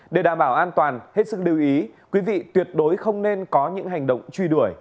để đảm bảo an toàn hết sức lưu ý quý vị tuyệt đối không nên có những hành động truy đuổi